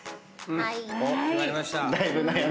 はい。